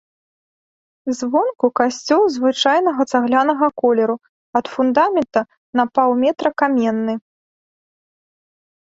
Звонку касцёл звычайнага цаглянага колеру, ад фундамента на паўметра каменны.